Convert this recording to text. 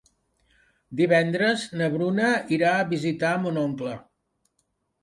Divendres na Bruna irà a visitar mon oncle.